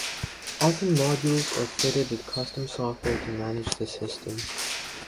Often modules are fitted with custom software to manage the system.